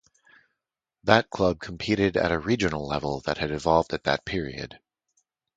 That club competed at a regional level that had evolved at that period.